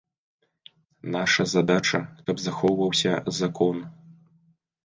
Наша задача, каб захоўваўся закон.